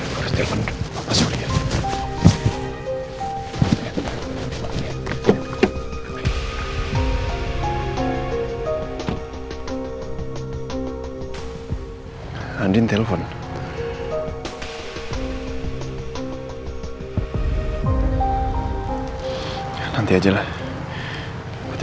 kalau begitu saya bikinkan dulu surat pengantarnya ya bu